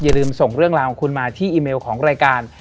ลืมส่งเรื่องราวของคุณมาที่อีเมลของรายการ